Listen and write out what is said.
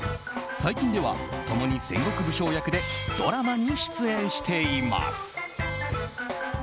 最近では共に戦国武将役でドラマに出演しています。